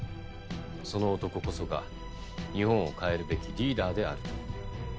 その男こそが日本を変えるべきリーダーであると。